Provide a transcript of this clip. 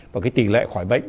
và cái tỷ lệ khỏi bệnh